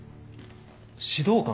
指導官？